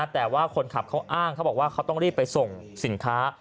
แต่ว่าคนขับเขาอ้างเขาบอกว่าเขาต้องรีบไปส่งสินค้า